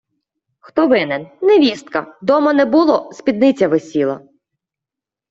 хто винен – невістка: дома не було – спідниця висіла